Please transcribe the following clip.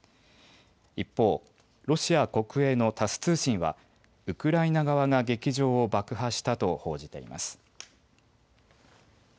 一方、ロシア国営のタス通信はウクライナ側が劇場を爆破したと報じています。